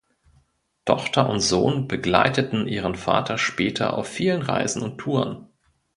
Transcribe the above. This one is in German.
Tochter und Sohn begleiteten ihren Vater später auf vielen Reisen und Touren.